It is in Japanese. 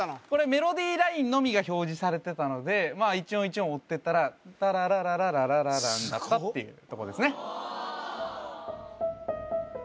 メロディーラインのみが表示されてたので一音一音追ってったら「タララララララララン」だったっていうとこですね